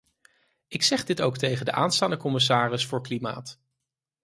Ik zeg dit ook tegen de aanstaande commissaris voor klimaat.